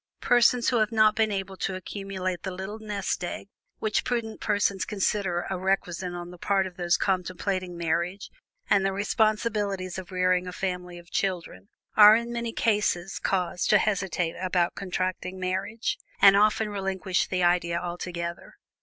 Persons who have not been able to accumulate the "little nest egg" which prudent persons consider a requisite on the part of those contemplating marriage and the responsibilities of rearing a family of children, are in many cases caused to hesitate about contracting marriage, and often relinquish the idea altogether.